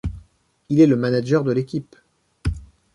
Il est le manager de l'équipe.